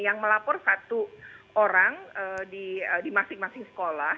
yang melapor satu orang di masing masing sekolah